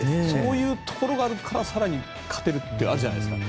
そういうところがあるから更に勝てるってあるじゃないですか。